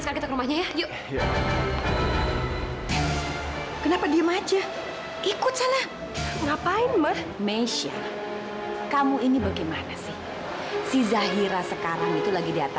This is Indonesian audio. sampai jumpa di video selanjutnya